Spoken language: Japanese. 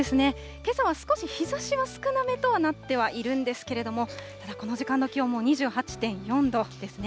けさは少し日ざしは少なめとはなってはいるんですけれども、この時間の気温もう２８．４度ですね。